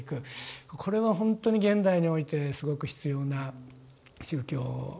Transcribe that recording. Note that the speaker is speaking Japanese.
これはほんとに現代においてすごく必要な宗教。